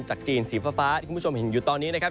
จีนสีฟ้าที่คุณผู้ชมเห็นอยู่ตอนนี้นะครับ